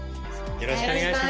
よろしくお願いします